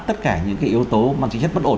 tất cả những cái yếu tố mà chính chất bất ổn